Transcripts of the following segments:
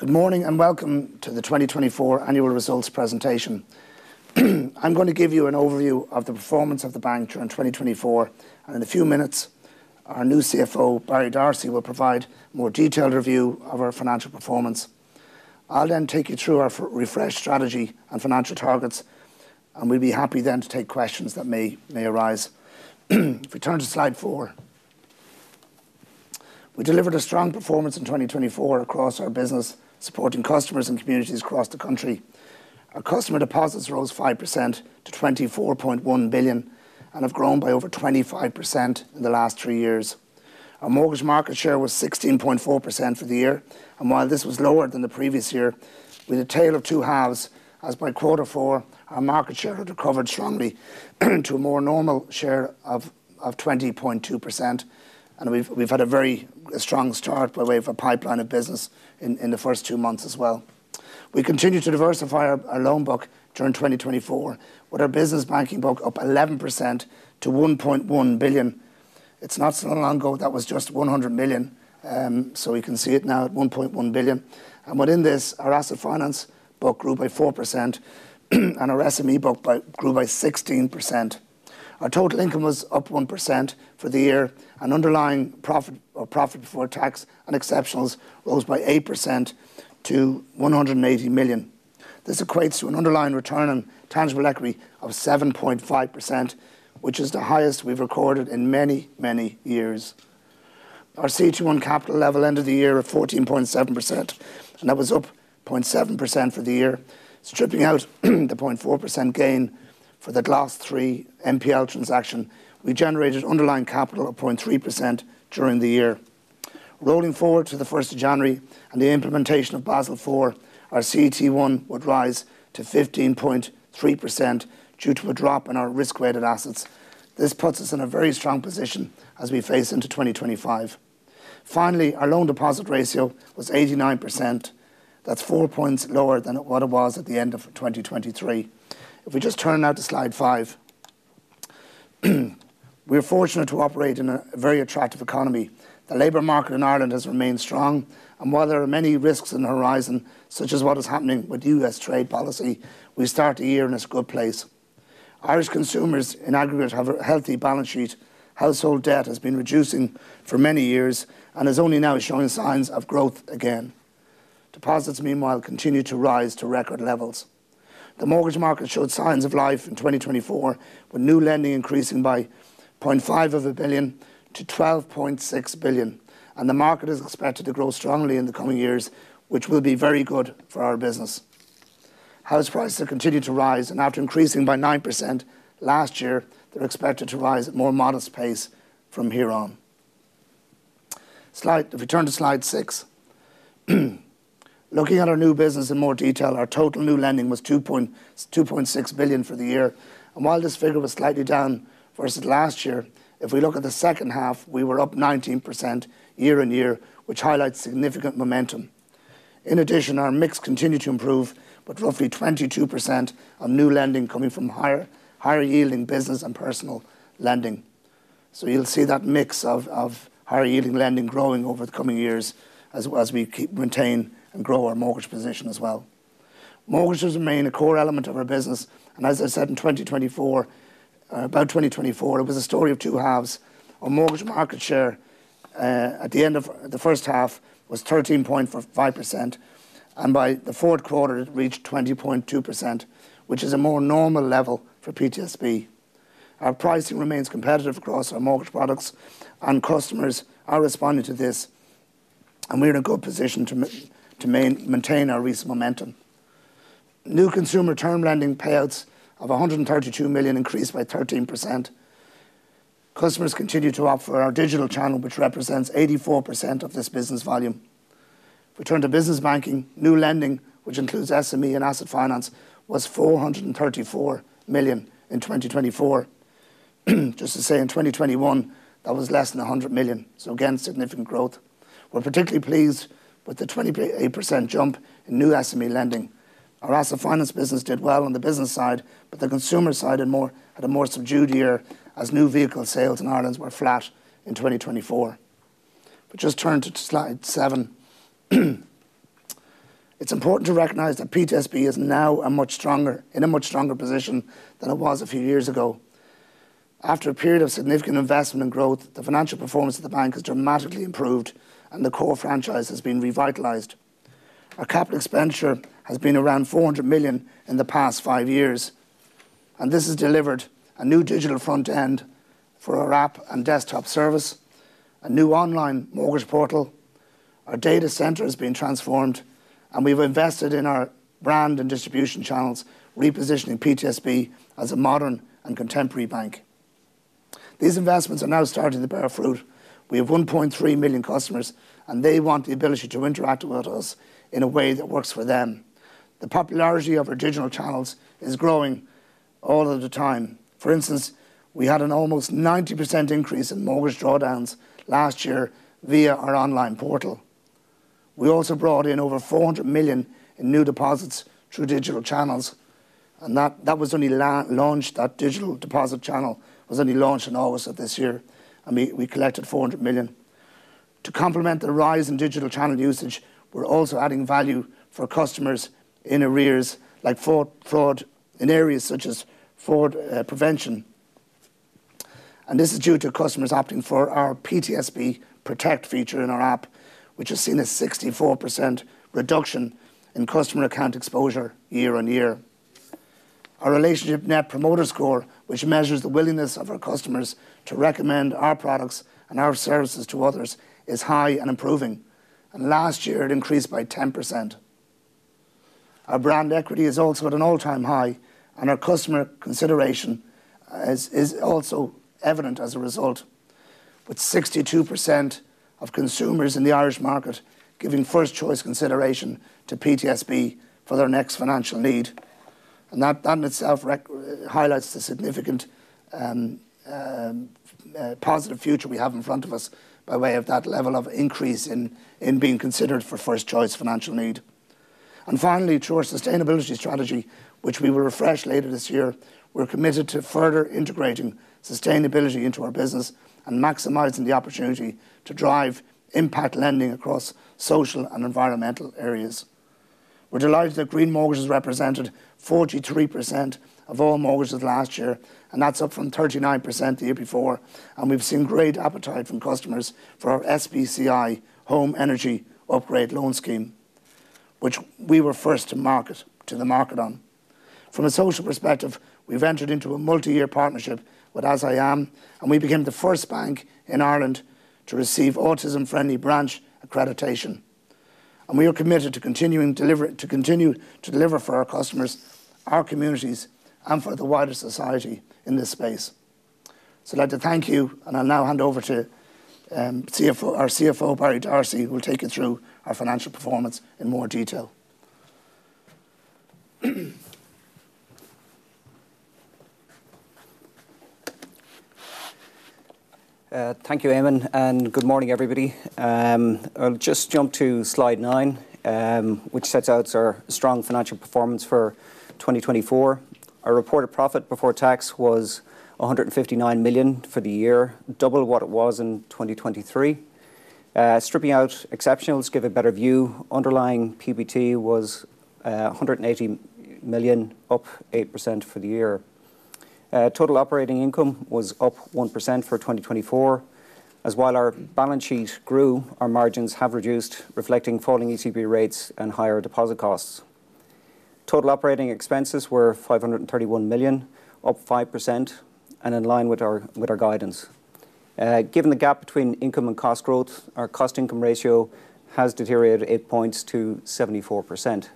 Good morning and welcome to the 2024 annual results presentation. I'm going to give you an overview of the performance of the bank during 2024, and in a few minutes, our new CFO, Barry D'Arcy, will provide a more detailed review of our financial performance. I'll then take you through our refreshed strategy and financial targets, and we'll be happy then to take questions that may arise. If we turn to slide four, we delivered a strong performance in 2024 across our business, supporting customers and communities across the country. Our customer deposits rose 5% to 24.1 billion and have grown by over 25% in the last three years. Our mortgage market share was 16.4% for the year, and while this was lower than the previous year, with a tail of two halves, as by quarter four, our market share had recovered strongly to a more normal share of 20.2%. We have had a very strong start by way of our pipeline of business in the first two months as well. We continued to diversify our loan book during 2024, with our business banking book up 11% to 1.1 billion. It is not so long ago that was just 100 million, so we can see it now at 1.1 billion. Within this, our asset finance book grew by 4%, and our SME book grew by 16%. Our total income was up 1% for the year, and underlying profit before tax and exceptionals rose by 8% to 180 million. This equates to an underlying return on tangible equity of 7.5%, which is the highest we have recorded in many, many years. Our CET1 capital level ended the year at 14.7%, and that was up 0.7% for the year. Stripping out the 0.4% gain for the last three MPL transactions, we generated underlying capital of 0.3% during the year. Rolling forward to the 1st of January and the implementation of Basel IV, our CET1 would rise to 15.3% due to a drop in our risk-weighted assets. This puts us in a very strong position as we face into 2025. Finally, our loan deposit ratio was 89%. That's four points lower than what it was at the end of 2023. If we just turn now to slide five, we're fortunate to operate in a very attractive economy. The labor market in Ireland has remained strong, and while there are many risks on the horizon, such as what is happening with U.S. trade policy, we start the year in a good place. Irish consumers, in aggregate, have a healthy balance sheet. Household debt has been reducing for many years and is only now showing signs of growth again. Deposits, meanwhile, continue to rise to record levels. The mortgage market showed signs of life in 2024, with new lending increasing by 0.5 of a billion to 12.6 billion, and the market is expected to grow strongly in the coming years, which will be very good for our business. House prices continue to rise, and after increasing by 9% last year, they're expected to rise at a more modest pace from here on. If we turn to slide six, looking at our new business in more detail, our total new lending was 2.6 billion for the year. While this figure was slightly down versus last year, if we look at the second half, we were up 19% year on year, which highlights significant momentum. In addition, our mix continued to improve, with roughly 22% of new lending coming from higher-yielding business and personal lending. You will see that mix of higher-yielding lending growing over the coming years as we maintain and grow our mortgage position as well. Mortgages remain a core element of our business, and as I said, in 2024, it was a story of two halves. Our mortgage market share at the end of the first half was 13.5%, and by the fourth quarter, it reached 20.2%, which is a more normal level for PTSB. Our pricing remains competitive across our mortgage products, and customers are responding to this, and we are in a good position to maintain our recent momentum. New consumer term lending payouts of 132 million increased by 13%. Customers continue to opt for our digital channel, which represents 84% of this business volume. If we turn to business banking, new lending, which includes SME and asset finance, was 434 million in 2024. Just to say, in 2021, that was less than 100 million, so again, significant growth. We're particularly pleased with the 28% jump in new SME lending. Our asset finance business did well on the business side, but the consumer side had a more subdued year as new vehicle sales in Ireland were flat in 2024. If we just turn to slide seven, it's important to recognize that PTSB is now in a much stronger position than it was a few years ago. After a period of significant investment and growth, the financial performance of the bank has dramatically improved, and the core franchise has been revitalized. Our capital expenditure has been around 400 million in the past five years, and this has delivered a new digital front end for our app and desktop service, a new online mortgage portal. Our data center has been transformed, and we've invested in our brand and distribution channels, repositioning PTSB as a modern and contemporary bank. These investments are now starting to bear fruit. We have 1.3 million customers, and they want the ability to interact with us in a way that works for them. The popularity of our digital channels is growing all of the time. For instance, we had an almost 90% increase in mortgage drawdowns last year via our online portal. We also brought in over 400 million in new deposits through digital channels, and that was only launched; that digital deposit channel was only launched in August of this year, and we collected 400 million. To complement the rise in digital channel usage, we're also adding value for customers in arrears like fraud in areas such as fraud prevention. This is due to customers opting for our PTSB Protect feature in our app, which has seen a 64% reduction in customer account exposure year on year. Our relationship net promoter score, which measures the willingness of our customers to recommend our products and our services to others, is high and improving, and last year it increased by 10%. Our brand equity is also at an all-time high, and our customer consideration is also evident as a result, with 62% of consumers in the Irish market giving first choice consideration to PTSB for their next financial need. That in itself highlights the significant positive future we have in front of us by way of that level of increase in being considered for first choice financial need. Finally, through our sustainability strategy, which we will refresh later this year, we are committed to further integrating sustainability into our business and maximizing the opportunity to drive impact lending across social and environmental areas. We are delighted that green mortgages represented 43% of all mortgages last year, and that is up from 39% the year before. We have seen great appetite from customers for our SBCI Home Energy Upgrade Loan Scheme, which we were first to market on. From a social perspective, we have entered into a multi-year partnership with As I Am, and we became the first bank in Ireland to receive Autism Friendly Branch accreditation. We are committed to continuing to deliver for our customers, our communities, and for the wider society in this space. I would like to thank you, and I will now hand over to our CFO, Barry D'Arcy, who will take you through our financial performance in more detail. Thank you, Eamonn, and good morning, everybody. I'll just jump to slide nine, which sets out our strong financial performance for 2024. Our reported profit before tax was 159 million for the year, double what it was in 2023. Stripping out exceptionals gave a better view. Underlying PBT was 180 million, up 8% for the year. Total operating income was up 1% for 2024. As while our balance sheet grew, our margins have reduced, reflecting falling ECB rates and higher deposit costs. Total operating expenses were 531 million, up 5%, and in line with our guidance. Given the gap between income and cost growth, our cost-to-income ratio has deteriorated 8 percentage points to 74%.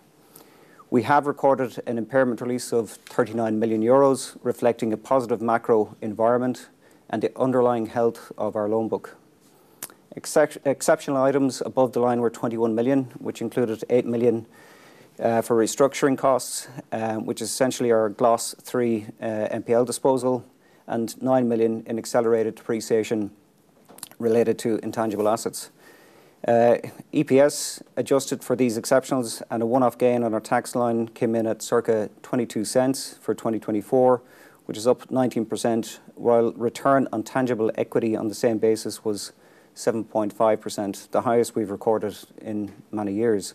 We have recorded an impairment release of 39 million euros, reflecting a positive macro environment and the underlying health of our loan book. Exceptional items above the line were 21 million, which included 8 million for restructuring costs, which is essentially our Class III MPL disposal, and 9 million in accelerated depreciation related to intangible assets. EPS adjusted for these exceptionals, and a one-off gain on our tax line came in at circa 0.22 for 2024, which is up 19%, while return on tangible equity on the same basis was 7.5%, the highest we have recorded in many years.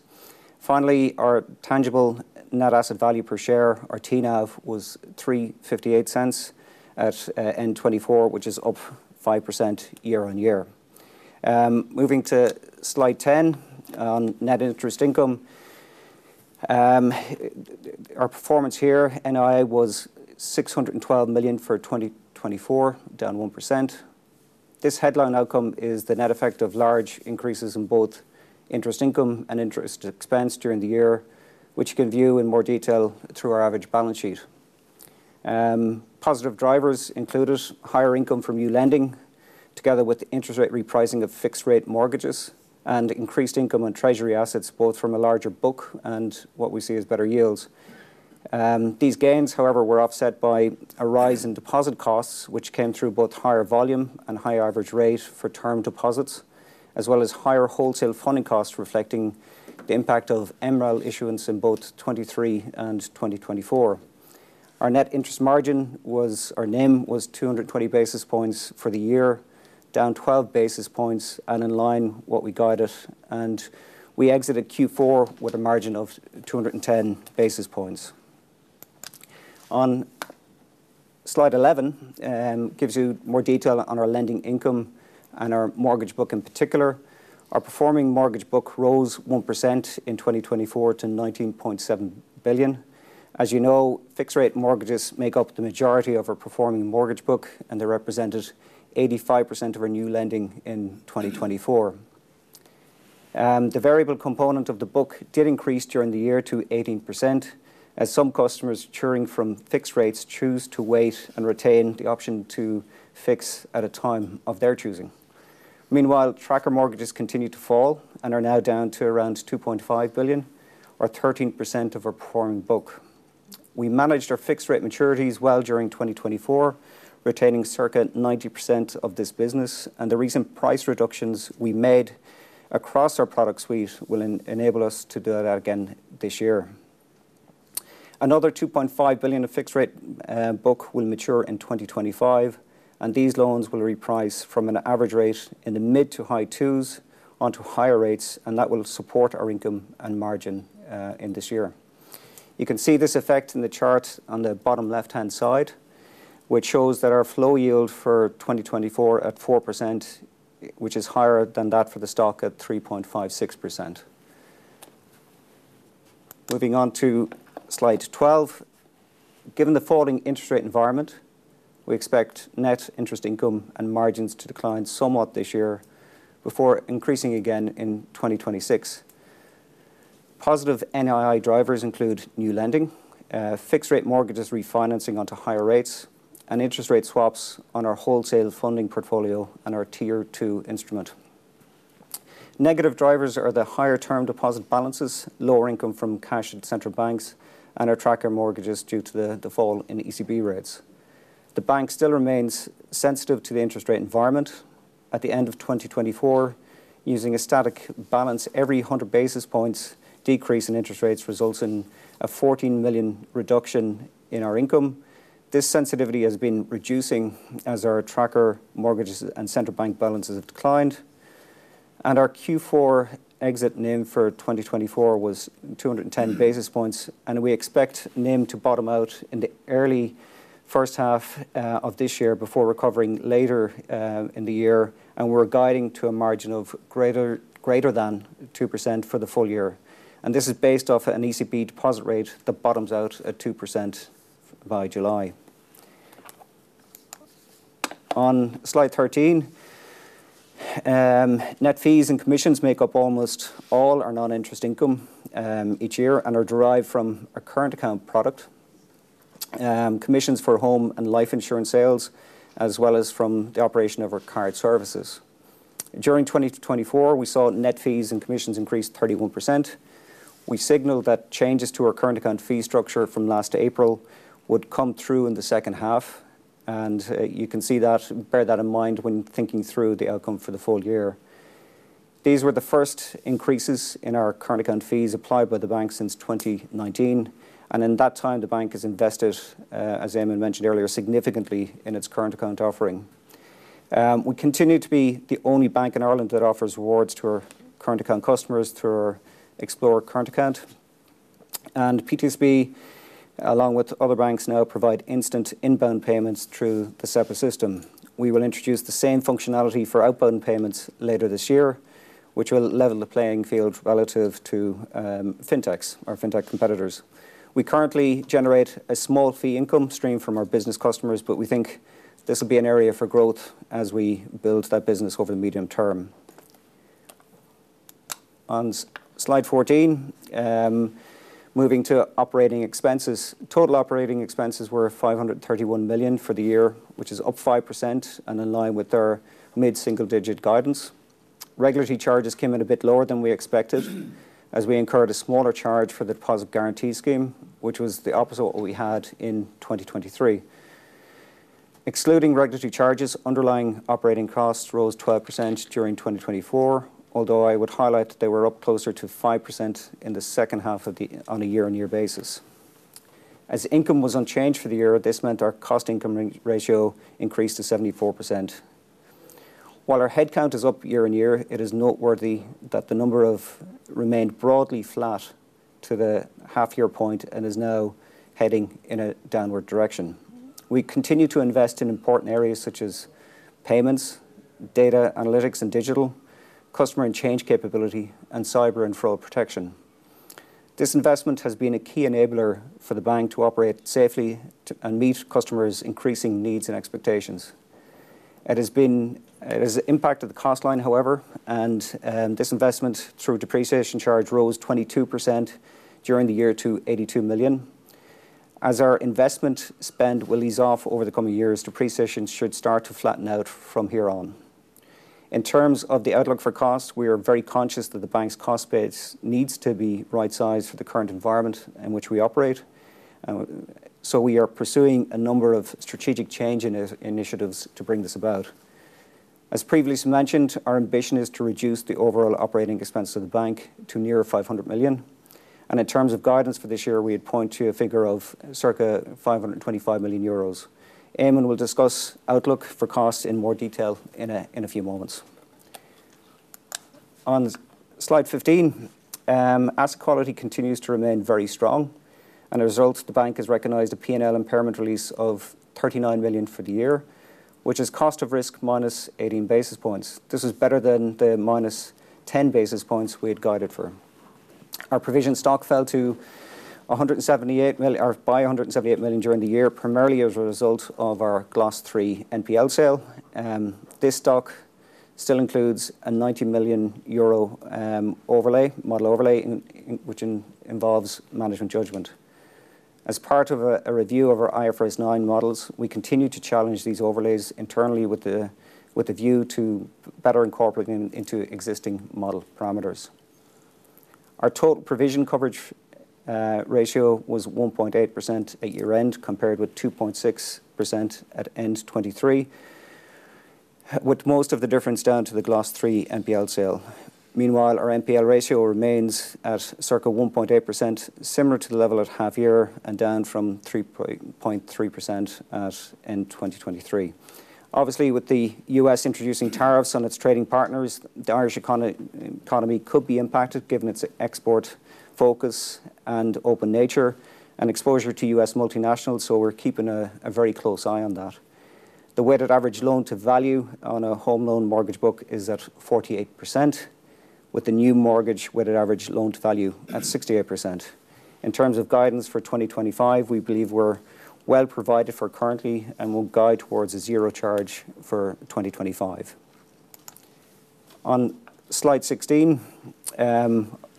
Finally, our tangible net asset value per share, our TNAV, was 3.58 at end 2024, which is up 5% year on year. Moving to slide 10 on net interest income, our performance here NI was 612 million for 2024, down 1%. This headline outcome is the net effect of large increases in both interest income and interest expense during the year, which you can view in more detail through our average balance sheet. Positive drivers included higher income from new lending, together with interest rate repricing of fixed-rate mortgages, and increased income on treasury assets, both from a larger book and what we see as better yields. These gains, however, were offset by a rise in deposit costs, which came through both higher volume and higher average rate for term deposits, as well as higher wholesale funding costs, reflecting the impact of MREL issuance in both 2023 and 2024. Our net interest margin was our NIM was 220 basis points for the year, down 12 basis points and in line with what we guided, and we exited Q4 with a margin of 210 basis points. On slide 11, it gives you more detail on our lending income and our mortgage book in particular. Our performing mortgage book rose 1% in 2024 to 19.7 billion. As you know, fixed-rate mortgages make up the majority of our performing mortgage book, and they represented 85% of our new lending in 2024. The variable component of the book did increase during the year to 18%, as some customers cheering from fixed rates choose to wait and retain the option to fix at a time of their choosing. Meanwhile, tracker mortgages continued to fall and are now down to around 2.5 billion, or 13% of our performing book. We managed our fixed-rate maturities well during 2024, retaining circa 90% of this business, and the recent price reductions we made across our product suite will enable us to do that again this year. Another 2.5 billion of fixed-rate book will mature in 2025, and these loans will reprice from an average rate in the mid to high twos onto higher rates, and that will support our income and margin in this year. You can see this effect in the chart on the bottom left-hand side, which shows that our flow yield for 2024 at 4%, which is higher than that for the stock at 3.56%. Moving on to slide 12, given the falling interest rate environment, we expect net interest income and margins to decline somewhat this year before increasing again in 2026. Positive NII drivers include new lending, fixed-rate mortgages refinancing onto higher rates, and interest rate swaps on our wholesale funding portfolio and our tier two instrument. Negative drivers are the higher term deposit balances, lower income from cash at central banks, and our tracker mortgages due to the fall in ECB rates. The bank still remains sensitive to the interest rate environment. At the end of 2024, using a static balance, every 100 basis points decrease in interest rates results in a 14 million reduction in our income. This sensitivity has been reducing as our tracker mortgages and central bank balances have declined, and our Q4 exit NIM for 2024 was 210 basis points. We expect NIM to bottom out in the early first half of this year before recovering later in the year, and we are guiding to a margin of greater than 2% for the full year. This is based off an ECB deposit rate that bottoms out at 2% by July. On slide 13, net fees and commissions make up almost all our non-interest income each year and are derived from our current account product, commissions for home and life insurance sales, as well as from the operation of our car services. During 2024, we saw net fees and commissions increase 31%. We signaled that changes to our current account fee structure from last April would come through in the second half, and you can see that, bear that in mind when thinking through the outcome for the full year. These were the first increases in our current account fees applied by the bank since 2019, and in that time, the bank has invested, as Eamonn mentioned earlier, significantly in its current account offering. We continue to be the only bank in Ireland that offers rewards to our current account customers through our Explore Current Account, and PTSB, along with other banks, now provide instant inbound payments through the SEPA system. We will introduce the same functionality for outbound payments later this year, which will level the playing field relative to fintechs, our fintech competitors. We currently generate a small fee income stream from our business customers, but we think this will be an area for growth as we build that business over the medium term. On slide 14, moving to operating expenses, total operating expenses were 531 million for the year, which is up 5% and in line with our mid-single-digit guidance. Regulatory charges came in a bit lower than we expected as we incurred a smaller charge for the deposit guarantee scheme, which was the opposite of what we had in 2023. Excluding regulatory charges, underlying operating costs rose 12% during 2024, although I would highlight that they were up closer to 5% in the second half of the year on a year-on-year basis. As income was unchanged for the year, this meant our cost-to-income ratio increased to 74%. While our headcount is up year-on-year, it is noteworthy that the number of employees remained broadly flat to the half-year point and is now heading in a downward direction. We continue to invest in important areas such as payments, data analytics and digital, customer and change capability, and cyber and fraud protection. This investment has been a key enabler for the bank to operate safely and meet customers' increasing needs and expectations. It has impacted the cost line, however, and this investment through depreciation charge rose 22% during the year to 82 million. As our investment spend will ease off over the coming years, depreciation should start to flatten out from here on. In terms of the outlook for cost, we are very conscious that the bank's cost base needs to be right-sized for the current environment in which we operate, so we are pursuing a number of strategic change initiatives to bring this about. As previously mentioned, our ambition is to reduce the overall operating expense of the bank to near 500 million, and in terms of guidance for this year, we had point to a figure of circa 525 million euros. Eamonn will discuss outlook for costs in more detail in a few moments. On slide 15, asset quality continues to remain very strong, and as a result, the bank has recognized a P&L impairment release of 39 million for the year, which is cost of risk minus 18 basis points. This is better than the minus 10 basis points we had guided for. Our provision stock fell to 178 million during the year, primarily as a result of our Class III NPL sale. This stock still includes a 90 million euro overlay, model overlay, which involves management judgment. As part of a review of our IFRS 9 models, we continue to challenge these overlays internally with the view to better incorporate them into existing model parameters. Our total provision coverage ratio was 1.8% at year-end compared with 2.6% at end 2023, with most of the difference down to the Class III NPL sale. Meanwhile, our NPL ratio remains at circa 1.8%, similar to the level at half-year and down from 3.3% at end 2023. Obviously, with the U.S. introducing tariffs on its trading partners, the Irish economy could be impacted given its export focus and open nature and exposure to U.S. multinationals, so we're keeping a very close eye on that. The weighted average loan-to-value on a home loan mortgage book is at 48%, with the new mortgage weighted average loan-to-value at 68%. In terms of guidance for 2025, we believe we're well provided for currently and will guide towards a zero charge for 2025. On slide 16,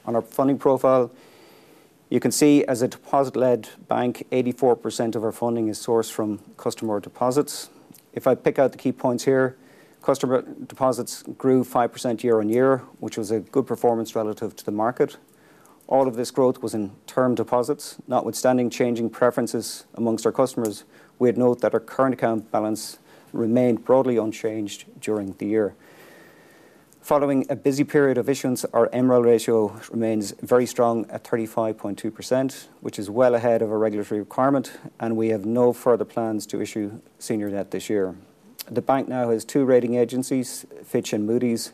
on our funding profile, you can see as a deposit-led bank, 84% of our funding is sourced from customer deposits. If I pick out the key points here, customer deposits grew 5% year-on-year, which was a good performance relative to the market. All of this growth was in term deposits. Notwithstanding changing preferences amongst our customers, we had noted that our current account balance remained broadly unchanged during the year. Following a busy period of issuance, our MREL ratio remains very strong at 35.2%, which is well ahead of our regulatory requirement, and we have no further plans to issue senior debt this year. The bank now has two rating agencies, Fitch and Moody's,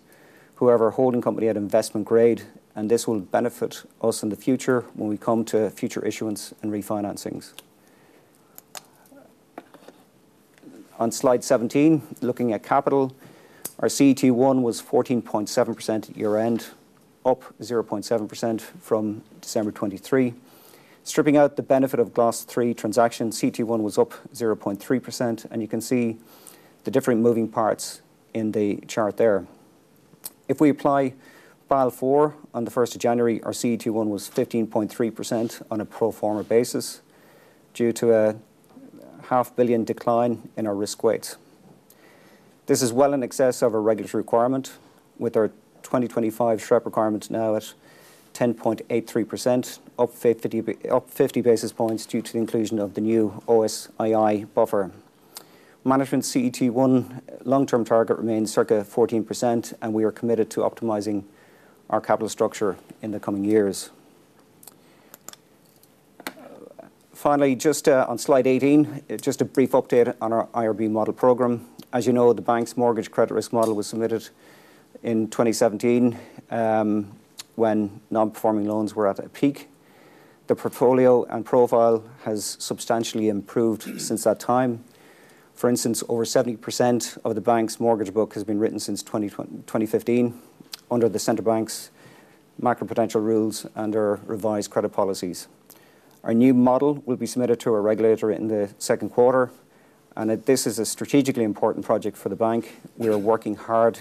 who are our holding company at investment grade, and this will benefit us in the future when we come to future issuance and refinancings. On slide 17, looking at capital, our CET1 was 14.7% year-end, up 0.7% from December 2023. Stripping out the benefit of Class III transactions, CET1 was up 0.3%, and you can see the different moving parts in the chart there. If we apply Basel IV on the 1st of January, our CET1 was 15.3% on a pro forma basis due to a 500,000,000 decline in our risk weight. This is well in excess of our regulatory requirement, with our 2025 SREP requirement now at 10.83%, up 50 basis points due to the inclusion of the new OSII buffer. Management's CET1 long-term target remains circa 14%, and we are committed to optimizing our capital structure in the coming years. Finally, just on slide 18, just a brief update on our IRB model program. As you know, the bank's mortgage credit risk model was submitted in 2017 when non-performing loans were at a peak. The portfolio and profile has substantially improved since that time. For instance, over 70% of the bank's mortgage book has been written since 2015 under the Central Bank of Ireland's macro-potential rules and our revised credit policies. Our new model will be submitted to our regulator in the second quarter, and this is a strategically important project for the bank. We are working hard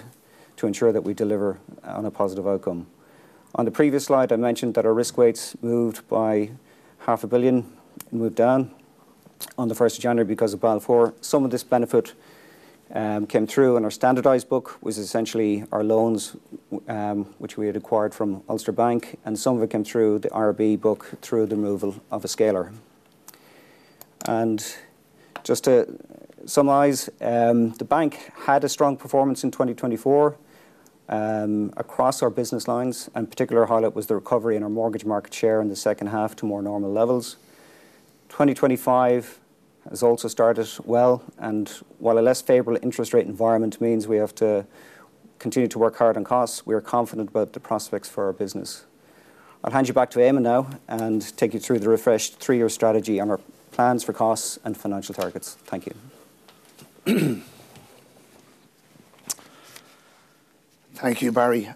to ensure that we deliver on a positive outcome. On the previous slide, I mentioned that our risk weights moved by half a billion, moved down on the 1st of January because of Basel IV. Some of this benefit came through in our standardized book, which is essentially our loans which we had acquired from Ulster Bank, and some of it came through the IRB book through the removal of a scaler. Just to summarize, the bank had a strong performance in 2024 across our business lines, and a particular highlight was the recovery in our mortgage market share in the second half to more normal levels. 2025 has also started well, and while a less favorable interest rate environment means we have to continue to work hard on costs, we are confident about the prospects for our business. I'll hand you back to Eamonn now and take you through the refreshed three-year strategy and our plans for costs and financial targets. Thank you. Thank you, Barry.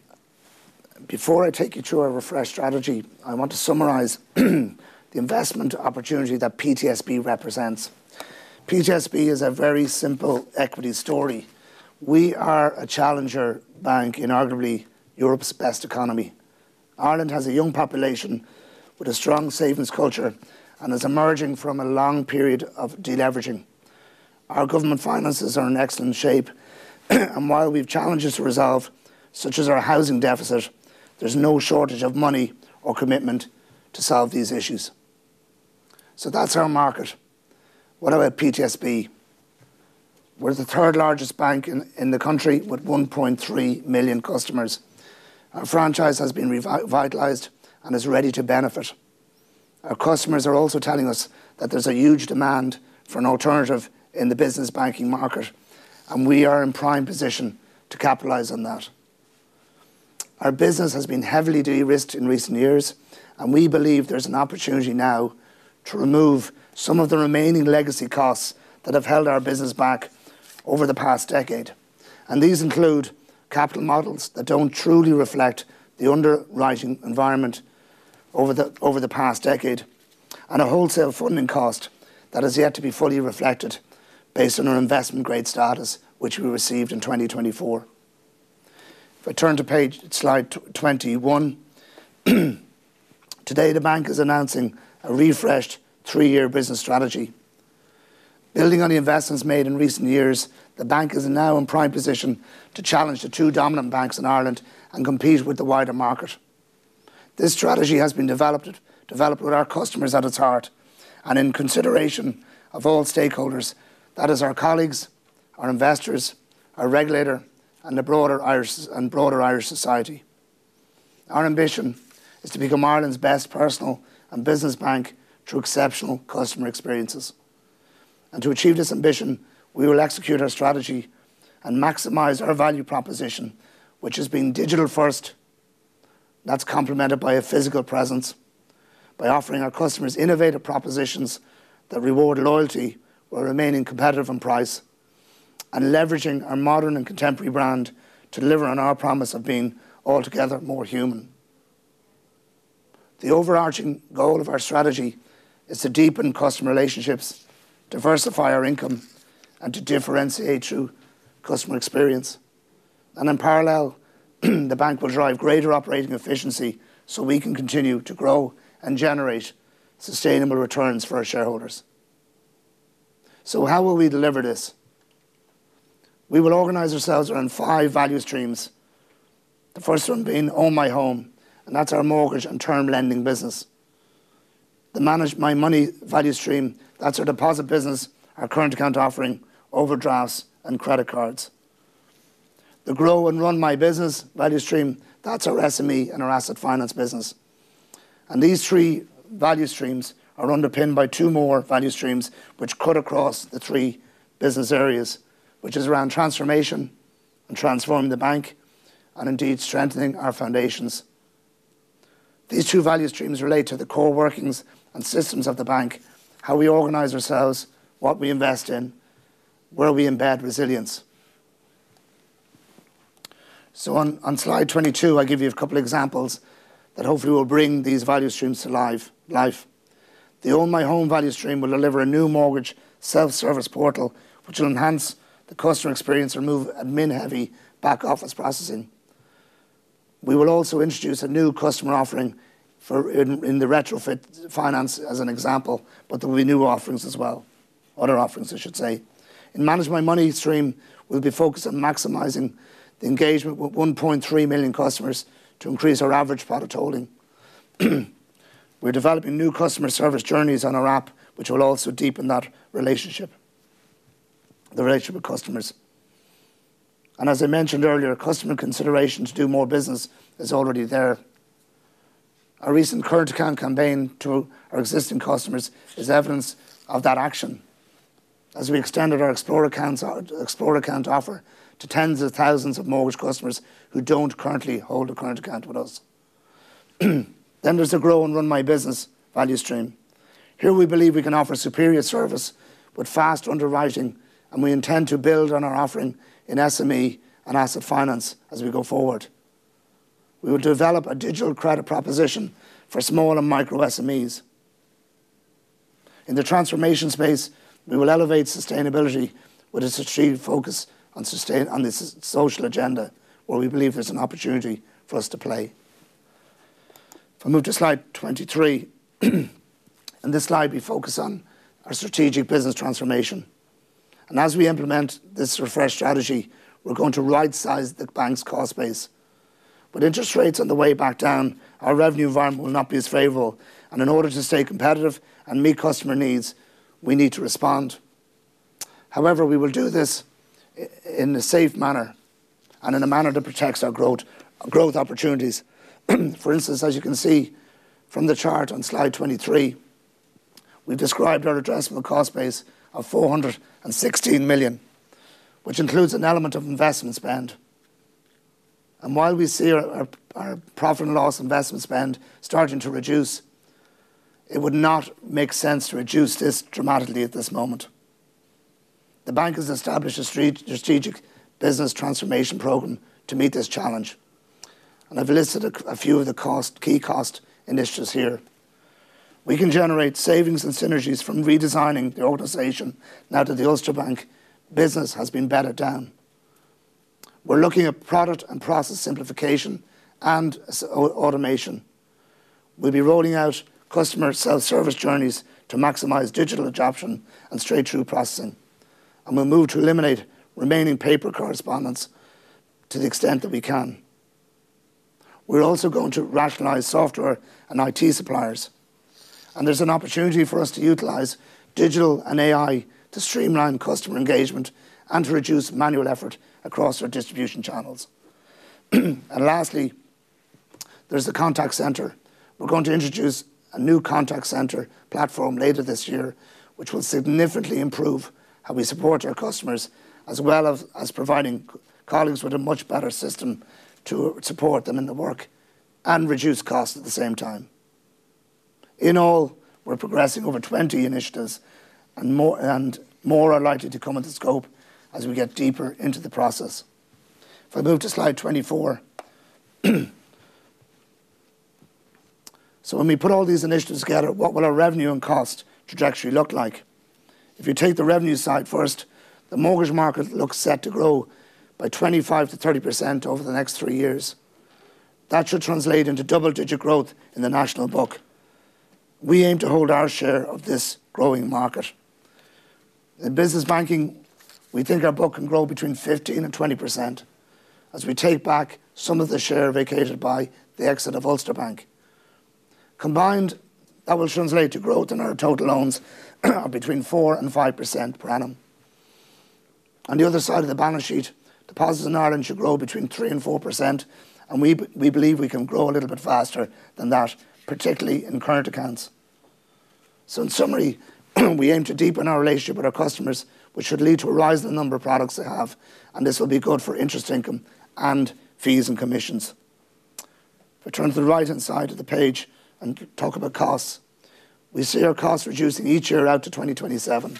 Before I take you through our refreshed strategy, I want to summarize the investment opportunity that PTSB represents. PTSB is a very simple equity story. We are a challenger bank in arguably Europe's best economy. Ireland has a young population with a strong savings culture and is emerging from a long period of deleveraging. Our government finances are in excellent shape, and while we have challenges to resolve, such as our housing deficit, there's no shortage of money or commitment to solve these issues. That is our market. What about PTSB? We're the third largest bank in the country with 1.3 million customers. Our franchise has been revitalized and is ready to benefit. Our customers are also telling us that there's a huge demand for an alternative in the business banking market, and we are in prime position to capitalize on that. Our business has been heavily de-risked in recent years, and we believe there's an opportunity now to remove some of the remaining legacy costs that have held our business back over the past decade, and these include capital models that don't truly reflect the underwriting environment over the past decade, and a wholesale funding cost that has yet to be fully reflected based on our investment-grade status which we received in 2024. If I turn to page slide 21, today the bank is announcing a refreshed three-year business strategy. Building on the investments made in recent years, the bank is now in prime position to challenge the two dominant banks in Ireland and compete with the wider market. This strategy has been developed with our customers at its heart and in consideration of all stakeholders, that is, our colleagues, our investors, our regulator, and the broader Irish society. Our ambition is to become Ireland's best personal and business bank through exceptional customer experiences. To achieve this ambition, we will execute our strategy and maximize our value proposition, which has been digital-first, that's complemented by a physical presence, by offering our customers innovative propositions that reward loyalty while remaining competitive in price, and leveraging our modern and contemporary brand to deliver on our promise of being altogether more human. The overarching goal of our strategy is to deepen customer relationships, diversify our income, and to differentiate through customer experience. In parallel, the bank will drive greater operating efficiency so we can continue to grow and generate sustainable returns for our shareholders. How will we deliver this? We will organize ourselves around five value streams, the first one being Own My Home, and that's our mortgage and term lending business. The Manage My Money value stream, that's our deposit business, our current account offering, overdrafts, and credit cards. The Grow and Run My Business value stream, that's our SME and our asset finance business. These three value streams are underpinned by two more value streams which cut across the three business areas, which is around transformation and transforming the bank and indeed strengthening our foundations. These two value streams relate to the core workings and systems of the bank, how we organize ourselves, what we invest in, where we embed resilience. On slide 22, I give you a couple of examples that hopefully will bring these value streams to life. The Own My Home value stream will deliver a new mortgage self-service portal which will enhance the customer experience and remove admin-heavy back office processing. We will also introduce a new customer offering in the retrofit finance as an example, but there will be new offerings as well, other offerings I should say. In Manage My Money stream, we'll be focused on maximizing the engagement with 1.3 million customers to increase our average product holding. We're developing new customer service journeys on our app which will also deepen that relationship, the relationship with customers. As I mentioned earlier, customer consideration to do more business is already there. Our recent current account campaign to our existing customers is evidence of that action as we extended our Explore Current Account offer to tens of thousands of mortgage customers who do not currently hold a current account with us. There is the Grow and Run My Business value stream. Here we believe we can offer superior service with fast underwriting, and we intend to build on our offering in SME and asset finance as we go forward. We will develop a digital credit proposition for small and micro SMEs. In the transformation space, we will elevate sustainability with a stream focus on the social agenda where we believe there is an opportunity for us to play. If I move to slide 23, in this slide we focus on our strategic business transformation. As we implement this refreshed strategy, we are going to right-size the bank's cost base. With interest rates on the way back down, our revenue environment will not be as favorable, and in order to stay competitive and meet customer needs, we need to respond. However, we will do this in a safe manner and in a manner that protects our growth opportunities. For instance, as you can see from the chart on slide 23, we have described our addressable cost base of 416 million, which includes an element of investment spend. While we see our profit and loss investment spend starting to reduce, it would not make sense to reduce this dramatically at this moment. The bank has established a strategic business transformation program to meet this challenge, and I have listed a few of the key cost initiatives here. We can generate savings and synergies from redesigning the organization now that the Ulster Bank business has been bedded down. We're looking at product and process simplification and automation. We'll be rolling out customer self-service journeys to maximize digital adoption and straight-through processing, and we'll move to eliminate remaining paper correspondence to the extent that we can. We're also going to rationalize software and IT suppliers, and there's an opportunity for us to utilize digital and AI to streamline customer engagement and to reduce manual effort across our distribution channels. Lastly, there's the contact center. We're going to introduce a new contact center platform later this year, which will significantly improve how we support our customers, as well as providing colleagues with a much better system to support them in the work and reduce costs at the same time. In all, we're progressing over 20 initiatives, and more are likely to come into scope as we get deeper into the process. If I move to slide 24, when we put all these initiatives together, what will our revenue and cost trajectory look like? If you take the revenue side first, the mortgage market looks set to grow by 25-30% over the next three years. That should translate into double-digit growth in the national book. We aim to hold our share of this growing market. In business banking, we think our book can grow between 15-20% as we take back some of the share vacated by the exit of Ulster Bank. Combined, that will translate to growth in our total loans between 4-5% per annum. On the other side of the balance sheet, deposits in Ireland should grow between 3-4%, and we believe we can grow a little bit faster than that, particularly in current accounts. In summary, we aim to deepen our relationship with our customers, which should lead to a rise in the number of products they have, and this will be good for interest income and fees and commissions. If I turn to the right-hand side of the page and talk about costs, we see our costs reducing each year out to 2027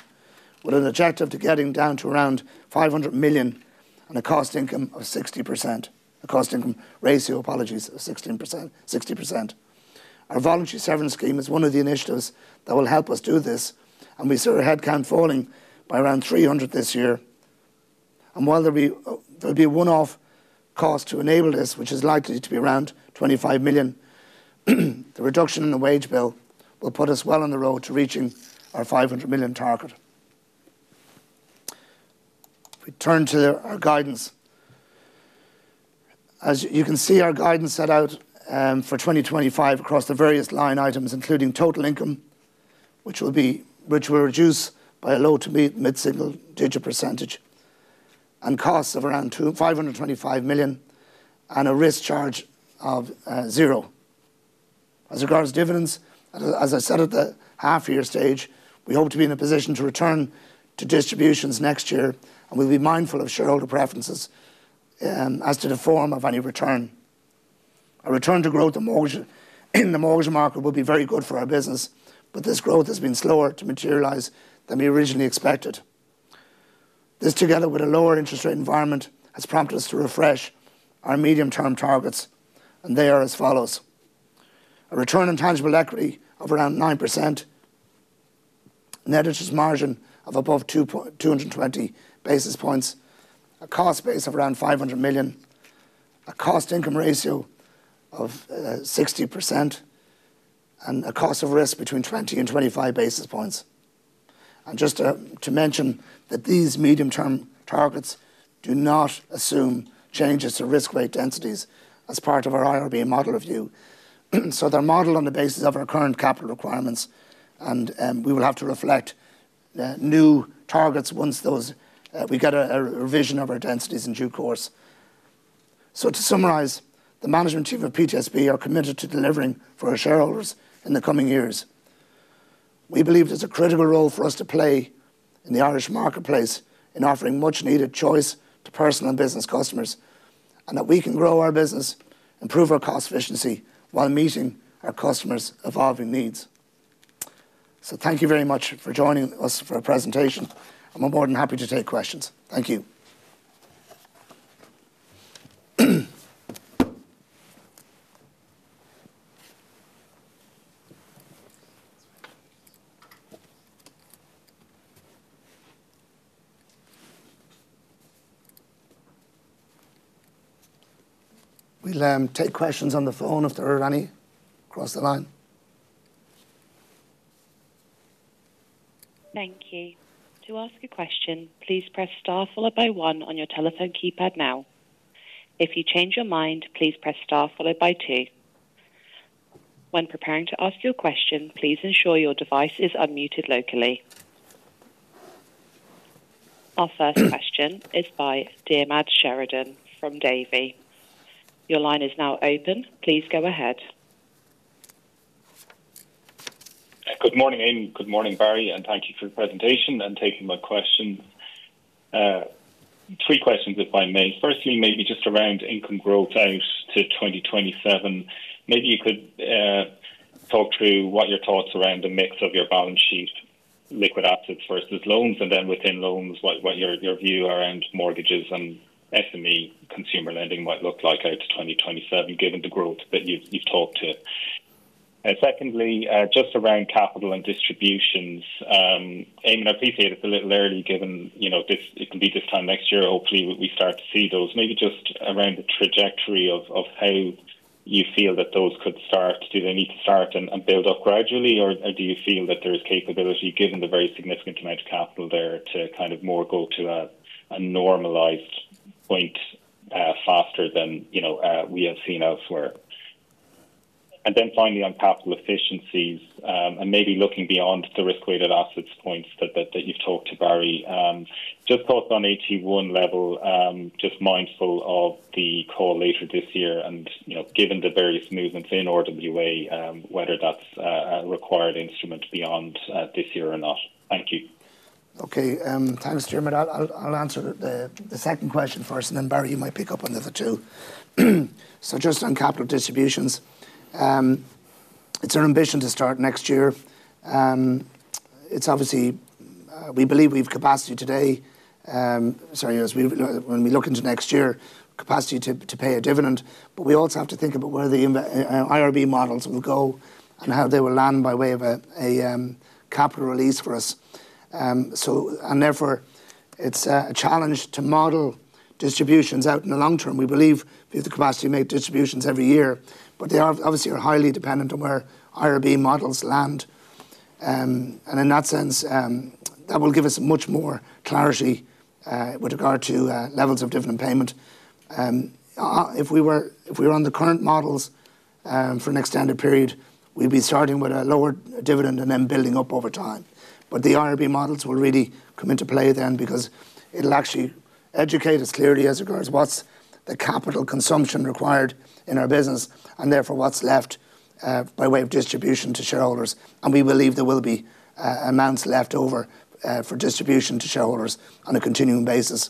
with an objective to getting down to around 500 million and a cost income of 60%, a cost income ratio, apologies, of 16%, 60%. Our voluntary severance scheme is one of the initiatives that will help us do this, and we saw our headcount falling by around 300 this year. While there will be a one-off cost to enable this, which is likely to be around 25 million, the reduction in the wage bill will put us well on the road to reaching our 500 million target. If we turn to our guidance, as you can see, our guidance set out for 2025 across the various line items, including total income, which will reduce by a low to mid-single digit %, and costs of around 525 million and a risk charge of zero. As regards dividends, as I said at the half-year stage, we hope to be in a position to return to distributions next year, and we'll be mindful of shareholder preferences as to the form of any return. Our return to growth in the mortgage market will be very good for our business, but this growth has been slower to materialize than we originally expected. This together with a lower interest rate environment has prompted us to refresh our medium-term targets, and they are as follows: a return on tangible equity of around 9%, a net interest margin of above 220 basis points, a cost base of around 500 million, a cost-to-income ratio of 60%, and a cost of risk between 20 and 25 basis points. Just to mention that these medium-term targets do not assume changes to risk-weight densities as part of our IRB model review. They are modeled on the basis of our current capital requirements, and we will have to reflect new targets once we get a revision of our densities in due course. To summarize, the management team of PTSB are committed to delivering for our shareholders in the coming years. We believe there is a critical role for us to play in the Irish marketplace in offering much-needed choice to personal and business customers, and that we can grow our business, improve our cost efficiency while meeting our customers' evolving needs. Thank you very much for joining us for our presentation, and we are more than happy to take questions. Thank you. We will take questions on the phone if there are any across the line. Thank you. To ask a question, please press star followed by one on your telephone keypad now. If you change your mind, please press star followed by two. When preparing to ask your question, please ensure your device is unmuted locally. Our first question is by Diarmaid Sheridan from Davy. Your line is now open. Please go ahead. Good morning, Eamonn. Good morning, Barry, and thank you for the presentation and taking my question. Three questions, if I may. Firstly, maybe just around income growth out to 2027. Maybe you could talk through what your thoughts are around the mix of your balance sheet, liquid assets versus loans, and then within loans, what your view around mortgages and SME consumer lending might look like out to 2027, given the growth that you've talked to. Secondly, just around capital and distributions, Amy, I appreciate it's a little early given it can be this time next year. Hopefully, we start to see those. Maybe just around the trajectory of how you feel that those could start. Do they need to start and build up gradually, or do you feel that there is capability, given the very significant amount of capital there, to kind of more go to a normalized point faster than we have seen elsewhere? Finally, on capital efficiencies, and maybe looking beyond the risk-weighted assets points that you have talked to, Barry, just thoughts on AT1 level, just mindful of the call later this year and given the various movements in OWA, whether that is a required instrument beyond this year or not. Thank you. Okay. Thanks, Diarmaid. I'll answer the second question first, and then Barry, you might pick up on the two. Just on capital distributions, it's our ambition to start next year. Obviously, we believe we have capacity today, sorry, when we look into next year, capacity to pay a dividend, but we also have to think about where the IRB models will go and how they will land by way of a capital release for us. Therefore, it's a challenge to model distributions out in the long term. We believe we have the capacity to make distributions every year, but they obviously are highly dependent on where IRB models land. In that sense, that will give us much more clarity with regard to levels of dividend payment. If we were on the current models for an extended period, we'd be starting with a lower dividend and then building up over time. The IRB models will really come into play then because it'll actually educate us clearly as regards what's the capital consumption required in our business and therefore what's left by way of distribution to shareholders. We believe there will be amounts left over for distribution to shareholders on a continuing basis.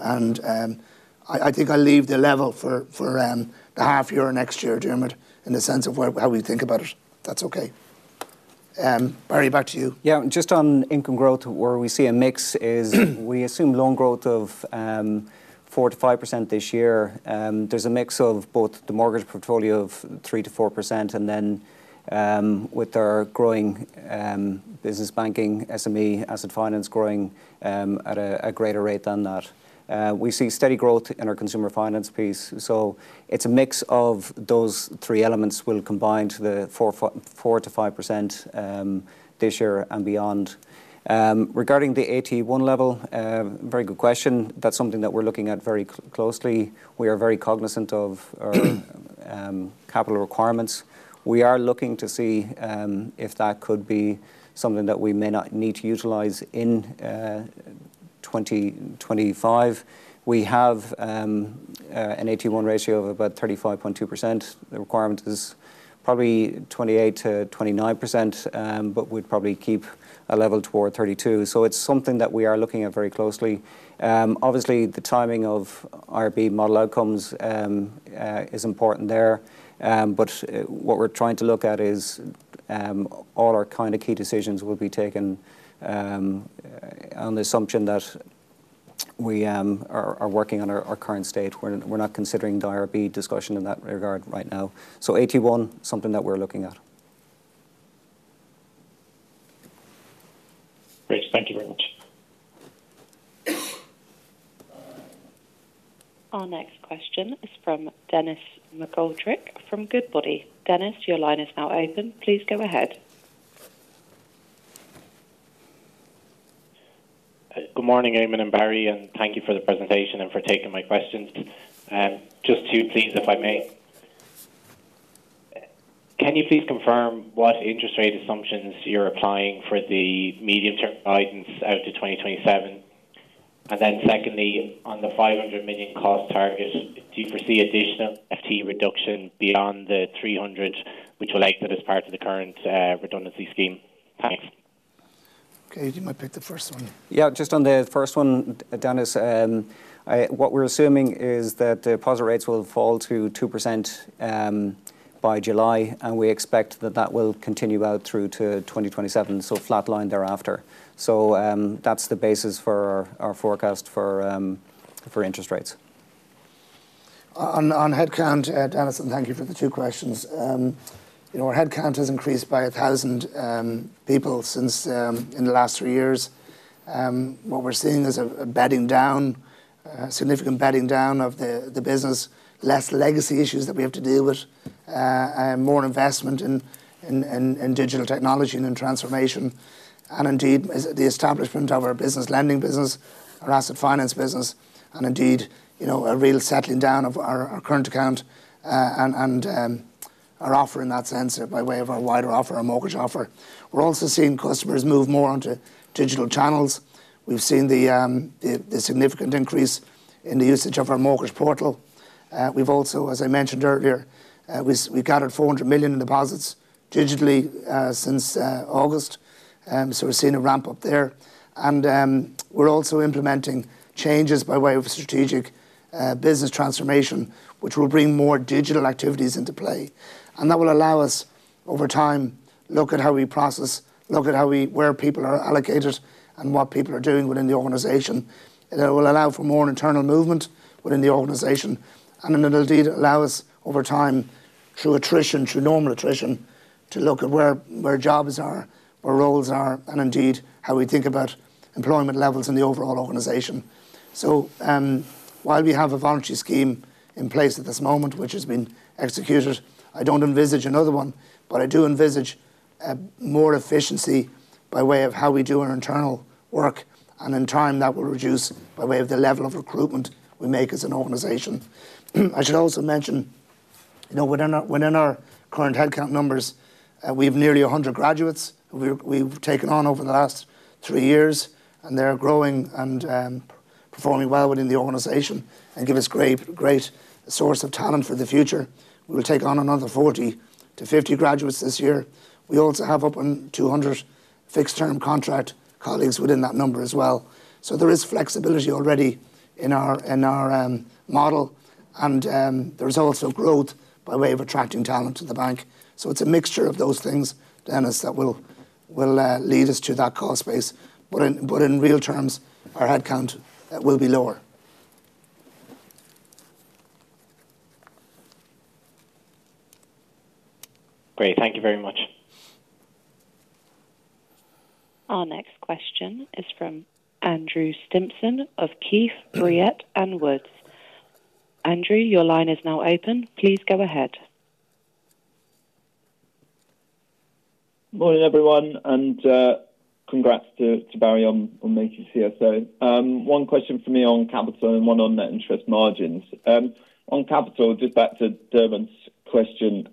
I think I'll leave the level for the half year or next year, Diarmaid, in the sense of how we think about it. That's okay. Barry, back to you. Yeah. Just on income growth, where we see a mix is we assume loan growth of 4-5% this year. There's a mix of both the mortgage portfolio of 3-4%, and then with our growing business banking, SME, asset finance growing at a greater rate than that, we see steady growth in our consumer finance piece. It is a mix of those three elements will combine to the 4-5% this year and beyond. Regarding the MREL level, very good question. That is something that we are looking at very closely. We are very cognizant of our capital requirements. We are looking to see if that could be something that we may not need to utilize in 2025. We have an MREL ratio of about 35.2%. The requirement is probably 28-29%, but we would probably keep a level toward 32%. It is something that we are looking at very closely. Obviously, the timing of IRB model outcomes is important there, but what we are trying to look at is all our kind of key decisions will be taken on the assumption that we are working on our current state. We are not considering the IRB discussion in that regard right now. So 81, something that we are looking at. Great. Thank you very much. Our next question is from Denis McGoldrick from Goodbody. Denis, your line is now open. Please go ahead. Good morning, Eamonn and Barry, and thank you for the presentation and for taking my questions. Just two, please, if I may. Can you please confirm what interest rate assumptions you're applying for the medium-term guidance out to 2027? Then secondly, on the 500 million cost target, do you foresee additional FTE reduction beyond the 300, which will act as part of the current redundancy scheme? Thanks. Okay. You might pick the first one. Yeah. Just on the first one, Denis, what we're assuming is that deposit rates will fall to 2% by July, and we expect that that will continue out through to 2027, so flat line thereafter. That is the basis for our forecast for interest rates. On headcount, Denis, and thank you for the two questions. Our headcount has increased by 1,000 people in the last three years. What we are seeing is a significant bedding down of the business, less legacy issues that we have to deal with, more investment in digital technology and in transformation, and indeed the establishment of our business lending business, our asset finance business, and indeed a real settling down of our current account and our offer in that sense by way of our wider offer, our mortgage offer. We are also seeing customers move more onto digital channels. We have seen the significant increase in the usage of our mortgage portal. We have also, as I mentioned earlier, gathered 400 million in deposits digitally since August, so we are seeing a ramp up there. We are also implementing changes by way of strategic business transformation, which will bring more digital activities into play. That will allow us, over time, to look at how we process, look at where people are allocated, and what people are doing within the organization. It will allow for more internal movement within the organization, and it will indeed allow us, over time, through attrition, through normal attrition, to look at where jobs are, where roles are, and indeed how we think about employment levels in the overall organization. While we have a voluntary scheme in place at this moment, which has been executed, I do not envisage another one, but I do envisage more efficiency by way of how we do our internal work, and in time, that will reduce by way of the level of recruitment we make as an organization. I should also mention, within our current headcount numbers, we have nearly 100 graduates we've taken on over the last three years, and they're growing and performing well within the organization and give us great source of talent for the future. We will take on another 40-50 graduates this year. We also have up to 200 fixed-term contract colleagues within that number as well. There is flexibility already in our model, and there is also growth by way of attracting talent to the bank. It's a mixture of those things, Dennis, that will lead us to that cost base. In real terms, our headcount will be lower. Great. Thank you very much. Our next question is from Andrew Stimpson of Keefe, Bruyette, and Woods. Andrew, your line is now open. Please go ahead. Morning, everyone, and congrats to Barry on making CSO. One question for me on capital and one on net interest margins. On capital, just back to Derman's question,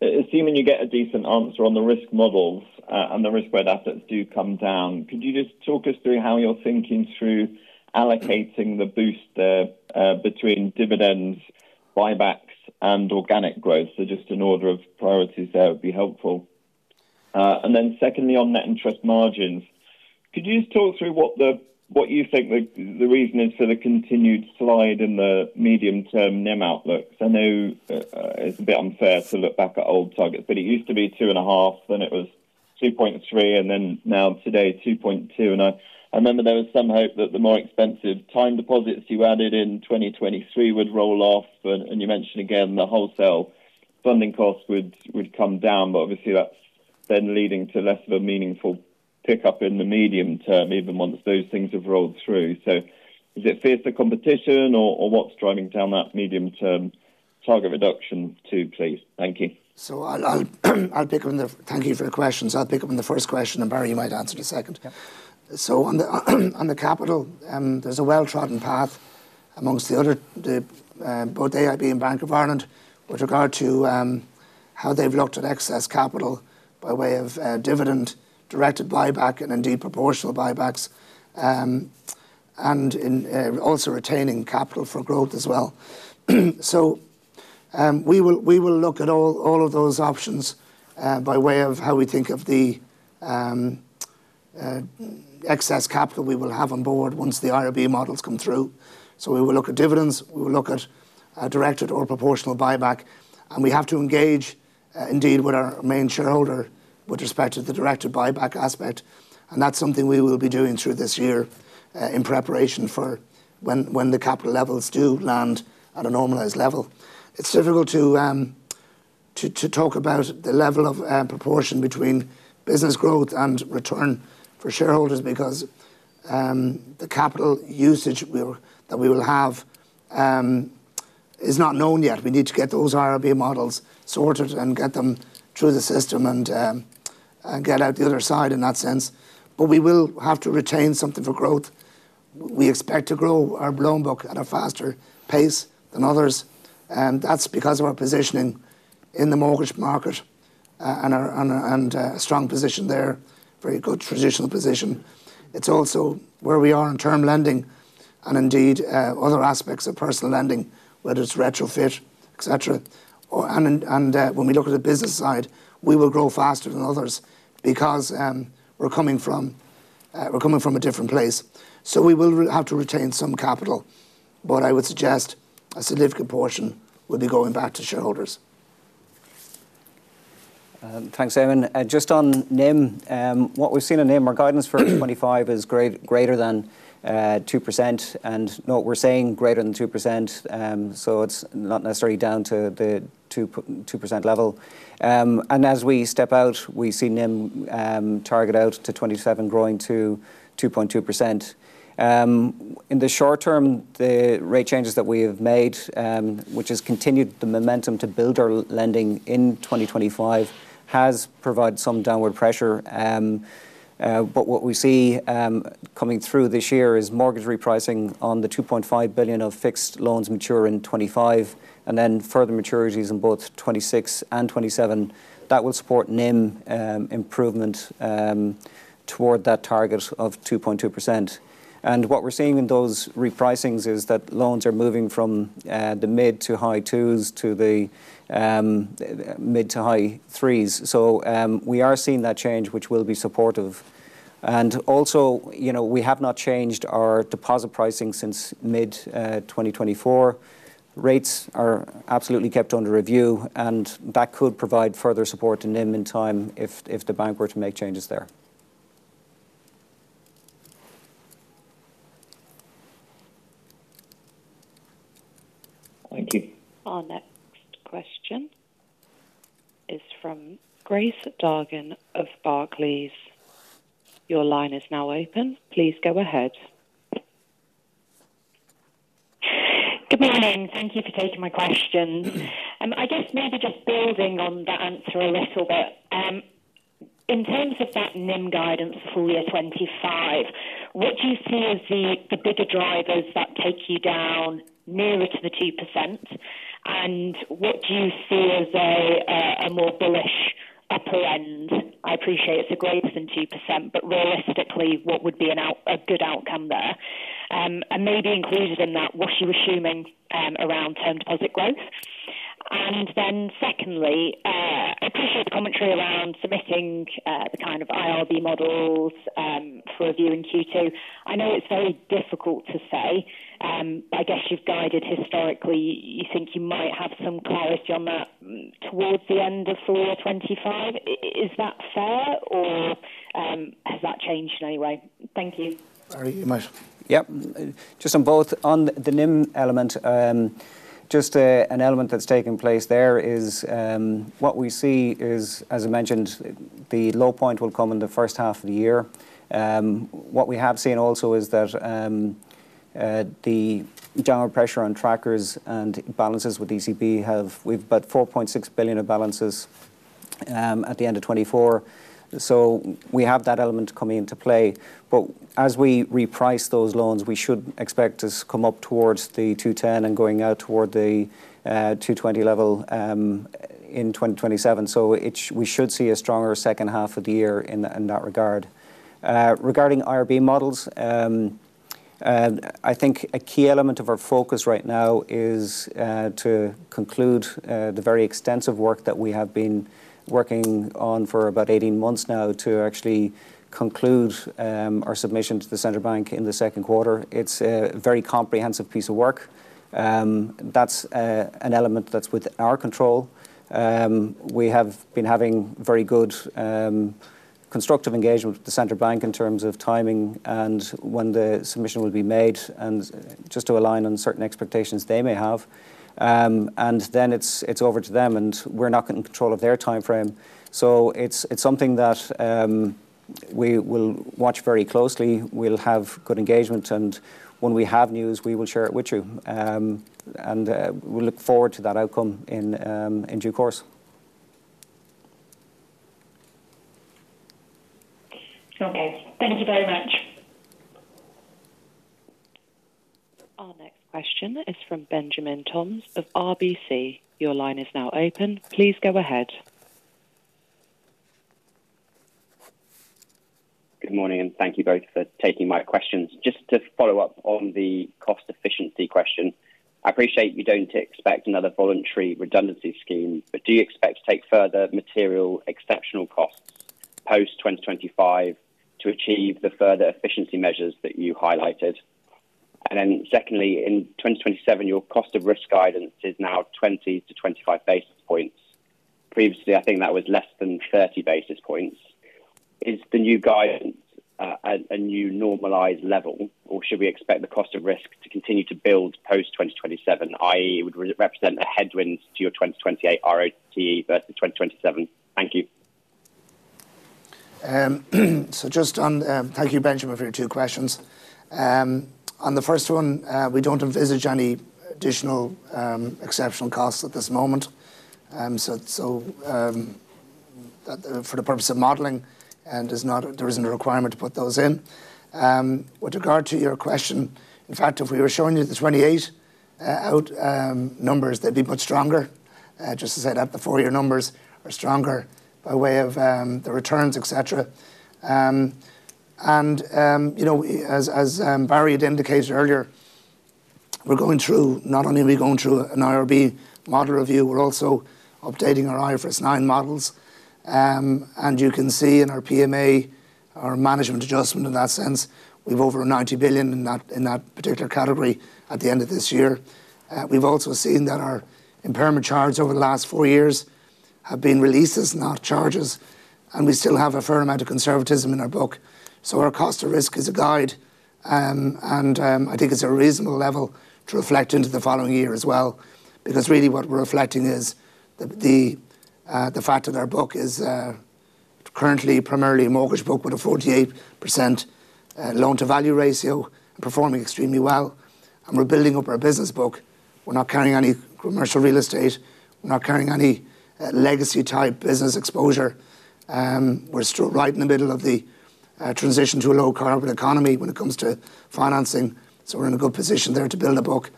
assuming you get a decent answer on the risk models and the risk-weighted assets do come down, could you just talk us through how you're thinking through allocating the booster between dividends, buybacks, and organic growth? Just an order of priorities there would be helpful. Secondly, on net interest margins, could you just talk through what you think the reason is for the continued slide in the medium-term NIM outlook? I know it's a bit unfair to look back at old targets, but it used to be 2.5, then it was 2.3, and now today, 2.2. I remember there was some hope that the more expensive time deposits you added in 2023 would roll off, and you mentioned again the wholesale funding costs would come down, but obviously, that's then leading to less of a meaningful pickup in the medium term, even once those things have rolled through. Is it fiercer competition, or what's driving down that medium-term target reduction too, please? Thank you. I'll pick up on the thank you for the questions. I'll pick up on the first question, and Barry, you might answer the second. On the capital, there's a well-trodden path amongst both AIB and Bank of Ireland with regard to how they've looked at excess capital by way of dividend-directed buyback and indeed proportional buybacks, and also retaining capital for growth as well. We will look at all of those options by way of how we think of the excess capital we will have on board once the IRB models come through. We will look at dividends, we will look at directed or proportional buyback, and we have to engage indeed with our main shareholder with respect to the directed buyback aspect. That's something we will be doing through this year in preparation for when the capital levels do land at a normalized level. It's difficult to talk about the level of proportion between business growth and return for shareholders because the capital usage that we will have is not known yet. We need to get those IRB models sorted and get them through the system and get out the other side in that sense. We will have to retain something for growth. We expect to grow our loan book at a faster pace than others. That's because of our positioning in the mortgage market and a strong position there, very good traditional position. It's also where we are in term lending and indeed other aspects of personal lending, whether it's retrofit, etc. When we look at the business side, we will grow faster than others because we're coming from a different place. We will have to retain some capital, but I would suggest a significant portion will be going back to shareholders. Thanks, Eamonn. Just on NIM, what we've seen in NIM, our guidance for 2025 is greater than 2%, and we're seeing greater than 2%, so it's not necessarily down to the 2% level. As we step out, we see NIM target out to 2027 growing to 2.2%. In the short term, the rate changes that we have made, which has continued the momentum to build our lending in 2025, has provided some downward pressure. What we see coming through this year is mortgage repricing on the 2.5 billion of fixed loans mature in 2025, and then further maturities in both 2026 and 2027. That will support NIM improvement toward that target of 2.2%. What we're seeing in those repricings is that loans are moving from the mid to high twos to the mid to high threes. We are seeing that change, which will be supportive. We have not changed our deposit pricing since mid-2024. Rates are absolutely kept under review, and that could provide further support to NIM in time if the bank were to make changes there. Thank you. Our next question is from Grace Dargan of Barclays. Your line is now open. Please go ahead. Good morning. Thank you for taking my question. I guess maybe just building on that answer a little bit. In terms of that NIM guidance for year 2025, what do you see as the bigger drivers that take you down nearer to the 2%? What do you see as a more bullish upper end? I appreciate it's a greater than 2%, but realistically, what would be a good outcome there? Maybe included in that, what are you assuming around term deposit growth? Secondly, I appreciate the commentary around submitting the kind of IRB models for review in Q2. I know it's very difficult to say, but I guess you've guided historically. You think you might have some clarity on that towards the end of 2025. Is that fair, or has that changed in any way? Thank you. Barry, you might. Yep. Just on both. On the NIM element, just an element that's taking place there is what we see is, as I mentioned, the low point will come in the first half of the year. What we have seen also is that the general pressure on trackers and balances with ECB, we've got 4.6 billion of balances at the end of 2024. We have that element coming into play. As we reprice those loans, we should expect to come up towards the 210 and going out toward the 220 level in 2027. We should see a stronger second half of the year in that regard. Regarding IRB models, I think a key element of our focus right now is to conclude the very extensive work that we have been working on for about 18 months now to actually conclude our submission to the Central Bank of Ireland in the second quarter. It's a very comprehensive piece of work. That's an element that's within our control. We have been having very good constructive engagement with the Central Bank of Ireland in terms of timing and when the submission will be made and just to align on certain expectations they may have. It is over to them, and we're not in control of their timeframe. It is something that we will watch very closely. We'll have good engagement, and when we have news, we will share it with you. We'll look forward to that outcome in due course. Okay. Thank you very much. Our next question is from Benjamin Toms of RBC. Your line is now open. Please go ahead. Good morning, and thank you both for taking my questions. Just to follow up on the cost efficiency question, I appreciate you do not expect another voluntary redundancy scheme, but do you expect to take further material exceptional costs post 2025 to achieve the further efficiency measures that you highlighted? Secondly, in 2027, your cost of risk guidance is now 20-25 basis points. Previously, I think that was less than 30 basis points. Is the new guidance a new normalized level, or should we expect the cost of risk to continue to build post 2027, i.e., it would represent a headwind to your 2028 ROT versus 2027? Thank you. Thank you, Benjamin, for your two questions. On the first one, we do not envisage any additional exceptional costs at this moment. For the purpose of modeling, there is not a requirement to put those in. With regard to your question, in fact, if we were showing you the 2028 out numbers, they would be much stronger. Just to say that the four-year numbers are stronger by way of the returns, etc. As Barry had indicated earlier, we are going through not only an IRB model review, we are also updating our IFRS 9 models. You can see in our PMAs, our management adjustment in that sense, we have over 90 million in that particular category at the end of this year. We've also seen that our impairment charges over the last four years have been released as not charges, and we still have a fair amount of conservatism in our book. Our cost of risk is a guide, and I think it's a reasonable level to reflect into the following year as well because really what we're reflecting is the fact that our book is currently primarily a mortgage book with a 48% loan-to-value ratio and performing extremely well. We're building up our business book. We're not carrying any commercial real estate. We're not carrying any legacy-type business exposure. We're right in the middle of the transition to a low-carbon economy when it comes to financing. We're in a good position there to build a book.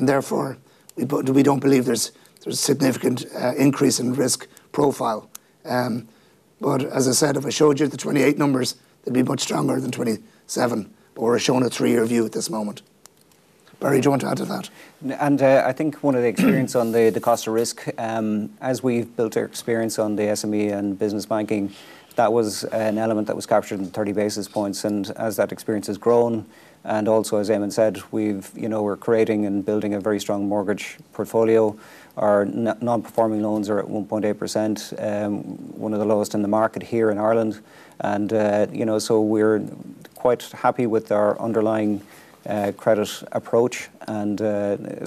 Therefore, we don't believe there's a significant increase in risk profile. As I said, if I showed you the 2028 numbers, they'd be much stronger than 2027, but we're showing a three-year view at this moment. Barry, do you want to add to that? I think one of the experience on the cost of risk, as we've built our experience on the SME and business banking, that was an element that was captured in 30 basis points. As that experience has grown, and also as Amy said, we're creating and building a very strong mortgage portfolio. Our non-performing loans are at 1.8%, one of the lowest in the market here in Ireland. We're quite happy with our underlying credit approach. The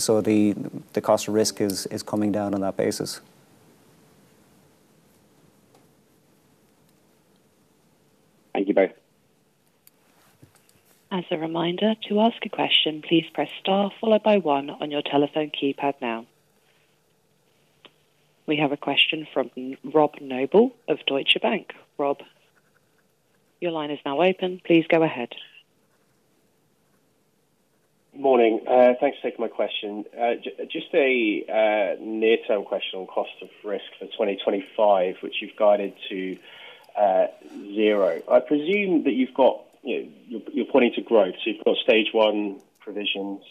cost of risk is coming down on that basis. Thank you both. As a reminder, to ask a question, please press star followed by one on your telephone keypad now. We have a question from Rob Noble of Deutsche Bank. Rob, your line is now open. Please go ahead. Morning. Thanks for taking my question. Just a near-term question on cost of risk for 2025, which you've guided to zero. I presume that you've got, you're pointing to growth. So you've got stage one provisions.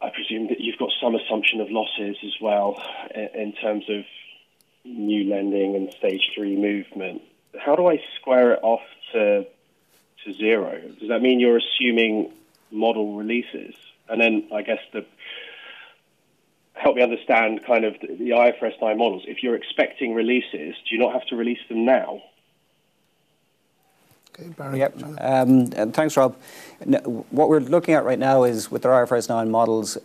I presume that you've got some assumption of losses as well in terms of new lending and stage three movement. How do I square it off to zero? Does that mean you're assuming model releases? I guess help me understand kind of the IFRS 9 models. If you're expecting releases, do you not have to release them now? Okay. Barry. Yep. Thanks, Rob. What we're looking at right now is with our IFRS 9 models,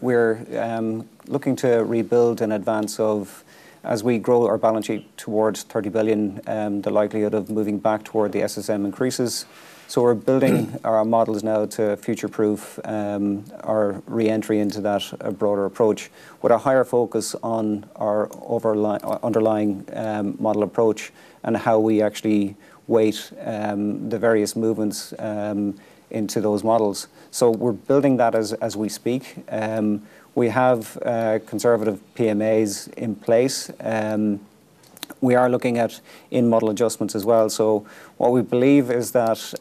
we're looking to rebuild in advance of, as we grow our balance sheet towards 30 billion, the likelihood of moving back toward the SSM increases. We're building our models now to future-proof our re-entry into that broader approach with a higher focus on our underlying model approach and how we actually weight the various movements into those models. We're building that as we speak. We have conservative PMAs in place. We are looking at in-model adjustments as well. What we believe is that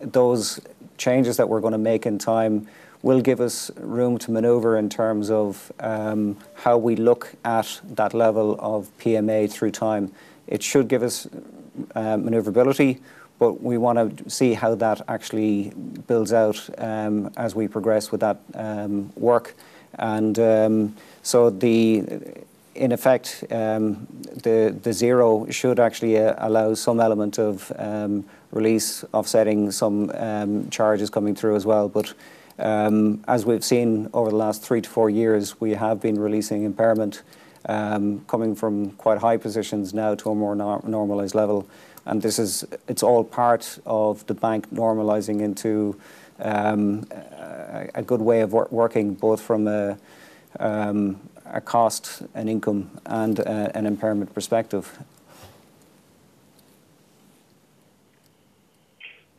those changes that we're going to make in time will give us room to maneuver in terms of how we look at that level of PMAs through time. It should give us maneuverability, but we want to see how that actually builds out as we progress with that work. In effect, the zero should actually allow some element of release offsetting some charges coming through as well. As we have seen over the last three to four years, we have been releasing impairment coming from quite high positions now to a more normalized level. It is all part of the bank normalizing into a good way of working both from a cost and income and an impairment perspective.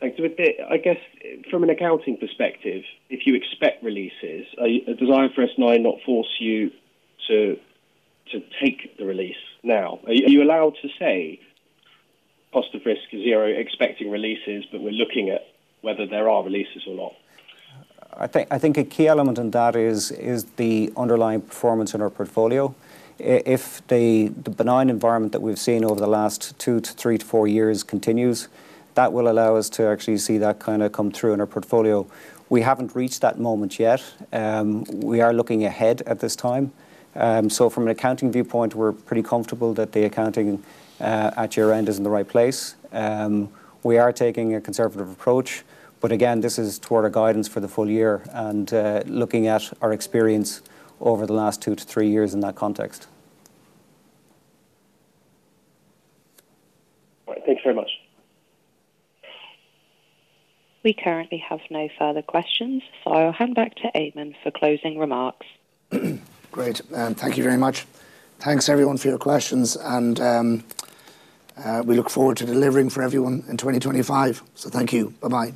Thanks. I guess from an accounting perspective, if you expect releases, does IFRS 9 not force you to take the release now? Are you allowed to say cost of risk is zero expecting releases, but we're looking at whether there are releases or not? I think a key element in that is the underlying performance in our portfolio. If the benign environment that we've seen over the last two to three to four years continues, that will allow us to actually see that kind of come through in our portfolio. We haven't reached that moment yet. We are looking ahead at this time. From an accounting viewpoint, we're pretty comfortable that the accounting at year-end is in the right place. We are taking a conservative approach, but again, this is toward our guidance for the full year and looking at our experience over the last two to three years in that context. All right. Thanks very much. We currently have no further questions, so I'll hand back to Eamonn for closing remarks. Great. Thank you very much. Thanks, everyone, for your questions. We look forward to delivering for everyone in 2025. Thank you. Bye-bye.